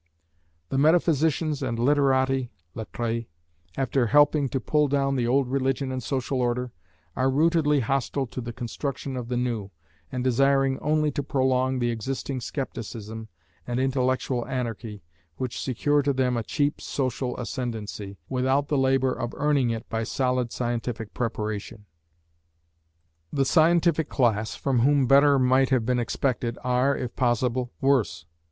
The metaphysicians and literati (lettrés), after helping to pull down the old religion and social order, are rootedly hostile to the construction of the new, and desiring only to prolong the existing scepticism and intellectual anarchy, which secure to them a cheap social ascendancy, without the labour of earning it by solid scientific preparation. The scientific class, from whom better might have been expected, are, if possible, worse.